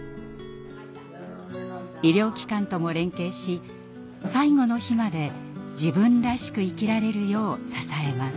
医療機関とも連携し最期の日まで自分らしく生きられるよう支えます。